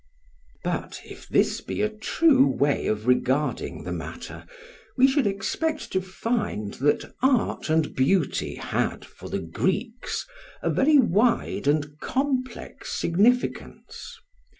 But if this be a true way of regarding the matter, we should expect to find that art and beauty had, for the Greeks, a very wide and complex significance.